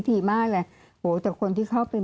ทำไมรัฐต้องเอาเงินภาษีประชาชน